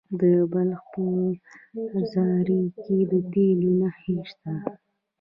د بلخ په زاري کې د تیلو نښې شته.